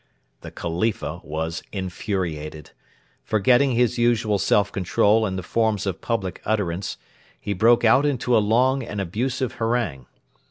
The Khalifa was infuriated. Forgetting his usual self control and the forms of public utterance, he broke out into a long and abusive harangue.